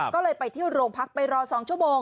ก็เลยไปที่โรงพักไปรอ๒ชั่วโมง